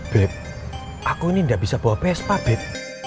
beb aku ini gak bisa bawa psp beb